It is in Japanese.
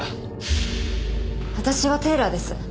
私はテーラーです。